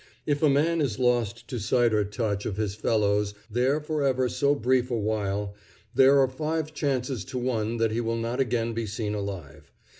If a man is lost to sight or touch of his fellows there for ever so brief a while, there are five chances to one that he will not again be seen alive.